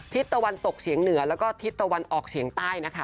ทิศตะวันตกเฉียงเหนือแล้วก็ทิศตะวันออกเฉียงใต้นะคะ